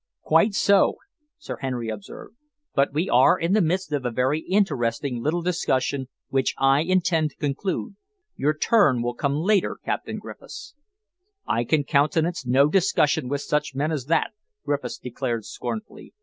"Quite so," Sir Henry observed, "but we are in the midst of a very interesting little discussion which I intend to conclude. Your turn will come later, Captain Griffiths." "I can countenance no discussion with such men as that," Griffiths declared scornfully.